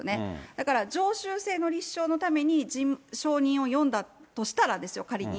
だから常習性の立証のために証人を呼んだとしたらですよ、仮に。